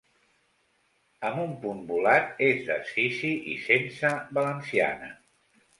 Amb un punt volat és desfici i sense valenciana.